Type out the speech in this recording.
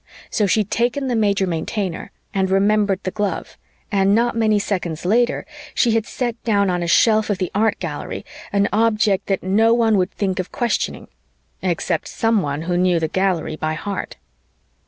So she'd taken the Major Maintainer and remembered the glove, and not many seconds later, she had set down on a shelf of the Art Gallery an object that no one would think of questioning except someone who knew the Gallery by heart.